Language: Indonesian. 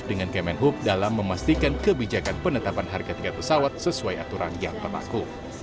dengan kemenhub dalam memastikan kebijakan penetapan harga tiket pesawat sesuai aturan yang berlaku